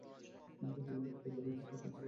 তিনি অবাক হয়ে বললেন, কী কাজ করতে চাও?